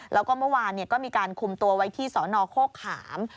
แล้วก็เมื่อวานก็มีการคุมตัวไว้ที่สนโคขาม